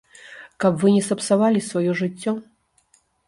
Каб вы не сапсавалі сваё жыццё.